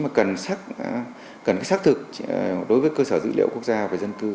mà cần xác thực đối với cơ sở dữ liệu quốc gia về dân cư